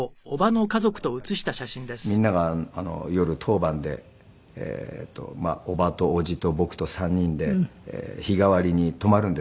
ただやっぱりみんなが夜当番で叔母と叔父と僕と３人で日替わりに泊まるんですね